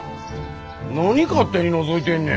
何勝手にのぞいてんねん！